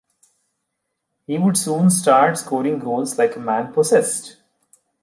He would soon start scoring goals like a man possessed.